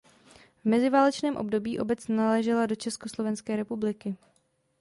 V mezi válečném období obec náležela do Československé republiky.